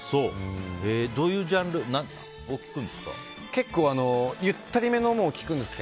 どういうジャンルを聴くんですか。